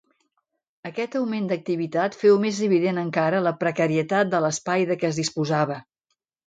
Aquest augment d'activitat feu més evident encara la precarietat de l'espai de què es disposava.